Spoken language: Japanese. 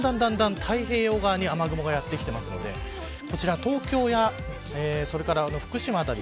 だんだん太平洋側に雨雲もやってきているのでこちら東京やそれから福島辺り